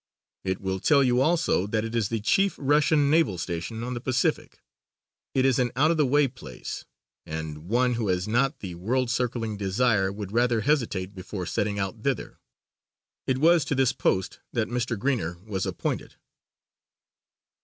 It will tell you also that it is the chief Russian naval station on the Pacific. It is an out of the way place and one who has not the world circling desire would rather hesitate before setting out thither. It was to this post that Mr. Greener was appointed.